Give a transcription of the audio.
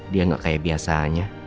dia gak kayak biasanya